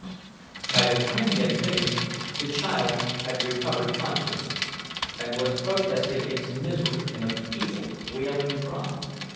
By the time he had finished, the child had recovered consciousness, and was protesting its misery in a feeble, wailing cry.